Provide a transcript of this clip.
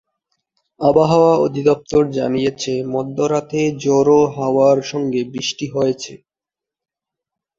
আবহাওয়া অধিদপ্তর জানিয়েছে, মধ্যরাতে ঝোড়ো হাওয়ার সঙ্গে বৃষ্টি হয়েছে।